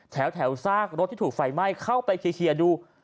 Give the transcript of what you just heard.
แถวซากรถที่ถูกไฟไหม้เข้าไปเคลียร์ดู